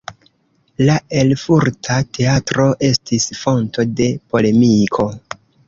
La Erfurta Teatro estis fonto de polemiko.